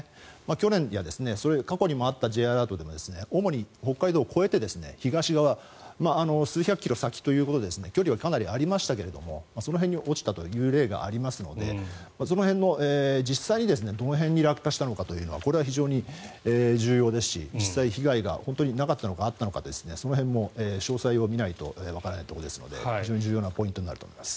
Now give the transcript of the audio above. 去年や過去にもあったＪアラートでも主に北海道を越えて、東側数百キロ先ということで距離は更にありましたけどその辺に落ちたという例がありますのでその辺の、実際にどの辺に落下したのかというのはこれは非常に重要ですし、実際に被害があったのかなかったのかその辺も詳細を見ないとわからないところですので非常に重要なポイントになると思います。